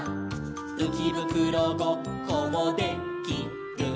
「うきぶくろごっこもで・き・る」